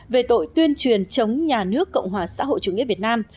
về tội tuyên truyền chống nhà nước cộng hòa xã hội chủ nghĩa việt nam